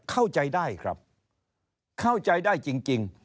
เข้าใจได้ครับเข้าใจได้จริง